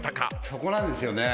そこなんですよね。